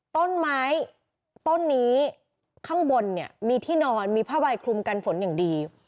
ต้นไม้ต้นนี้ข้างบนเนี่ยมีที่นอนมีผ้าใบคลุมกันฝนอย่างดี